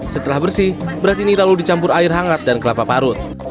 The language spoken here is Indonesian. setelah bersih beras ini lalu dicampur air hangat dan kelapa parut